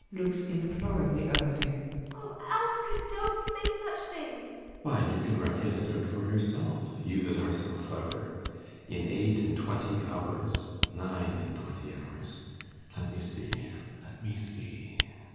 ASTA. [Looks imploringly up at him.] Oh, Alfred, don't say such things! ALLMERS. Why, you can reckon it out for yourself you that are so clever. In eight and twenty hours nine and twenty hours Let me see ! Let me see